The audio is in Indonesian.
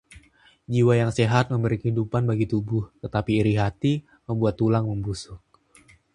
Jiwa yang sehat memberi kehidupan bagi tubuh, tetapi iri hati membuat tulang membusuk.